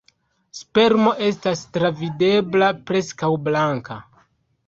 Spermo estas travidebla, preskaŭ blanka.